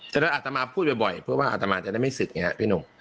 จริงอาตมาพูดบ่อยเพราะว่าอาตมาจะได้ไม่ศึกอย่างนี้ครับพี่หนุ่ม